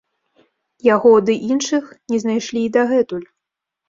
Яго ды іншых не знайшлі і дагэтуль.